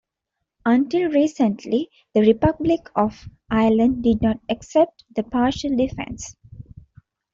Until recently, the Republic of Ireland did not accept the partial defense.